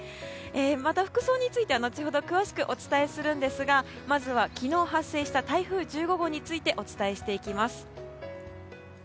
また、服装については後ほど詳しくお伝えするんですがまずは昨日、発生した台風１５号についてお伝えしていきます。